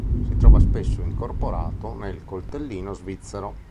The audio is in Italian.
Si trova spesso incorporato nel coltellino svizzero.